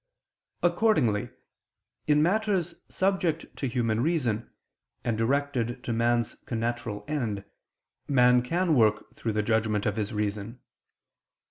Accordingly, in matters subject to human reason, and directed to man's connatural end, man can work through the judgment of his reason.